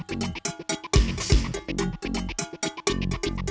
saya kesana sekarang